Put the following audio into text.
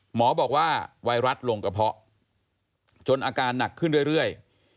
หมอบอกว่าไวรัสลงกระเพาะจนอาการหนักขึ้นเรื่อย